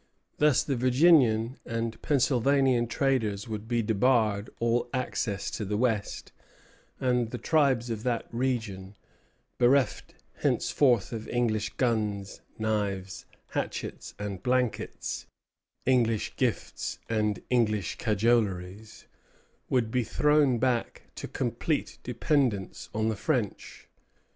Thus the Virginian and Pennsylvanian traders would be debarred all access to the West, and the tribes of that region, bereft henceforth of English guns, knives, hatchets, and blankets, English gifts and English cajoleries, would be thrown back to complete dependence on the French.